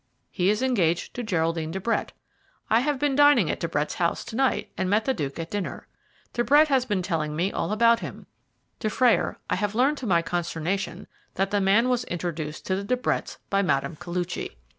"He is engaged to Geraldine de Brett. I have been dining at De Brett's house to night, and met the Duke at dinner. De Brett has been telling me all about him. Dufrayer, I have learned to my consternation that the man was introduced to the De Bretts by Mme. Koluchy.